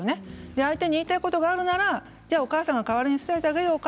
相手に言いたいことがあるならお母さんが代わりに伝えようか？